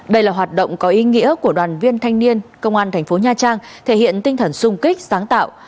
đây là hoạt động có ý nghĩa của đoàn viên thanh niên công an thành phố nha trang thể hiện tinh thần sung kích sáng tạo